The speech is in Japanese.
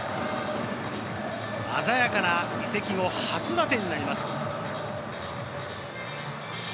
鮮やかな移籍後、初打点になります。